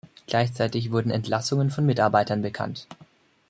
Gleichzeitig wurden Entlassungen von Mitarbeitern bekannt.